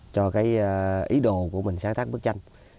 cho ý đồ của mình sáng tác bức tranh